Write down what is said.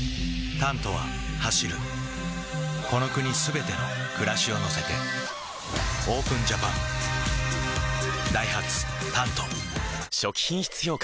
「タント」は走るこの国すべての暮らしを乗せてＯＰＥＮＪＡＰＡＮダイハツ「タント」初期品質評価